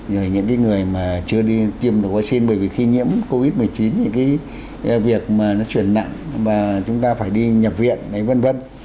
rồi những cái người mà chưa đi tiêm được vệ sinh bởi vì khi nhiễm covid một mươi chín thì cái việc mà nó chuyển nặng và chúng ta phải đi nhập viện đấy vân vân